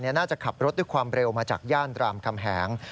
น่าจะขับรถด้วยความเร็วมาจากย่านรามคำแหง